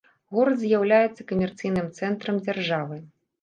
Горад з'яўляецца камерцыйным цэнтрам дзяржавы.